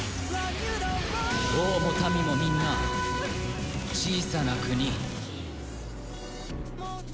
王も民もみんな小さな国。